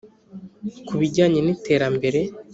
Ku bijyanye n iterambere